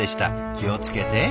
気を付けて。